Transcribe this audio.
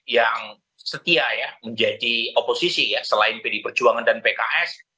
yang setia ya menjadi oposisi ya selain pd perjuangan dan pks